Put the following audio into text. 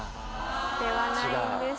ではないんです。